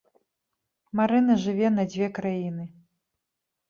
Марына жыве на дзве краіны.